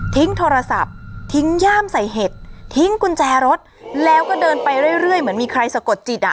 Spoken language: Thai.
โทรศัพท์ทิ้งย่ามใส่เห็ดทิ้งกุญแจรถแล้วก็เดินไปเรื่อยเหมือนมีใครสะกดจิตอ่ะ